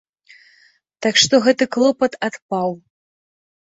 Так што гэты клопат адпаў.